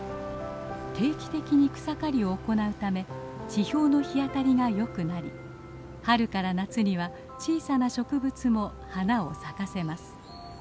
定期的に草刈りを行うため地表の日当たりが良くなり春から夏には小さな植物も花を咲かせます。